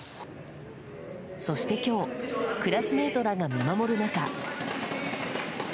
そして今日、クラスメートらが見守る中。